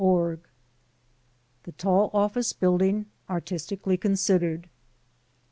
403 THE TALL OFFICE BUILDING ARTISTICALLY CONSIDERED.